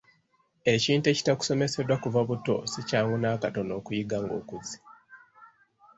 Ekintu ekitakusomeseddwa kuva buto si kyangu n'akatono okukiyiga ng'okuze.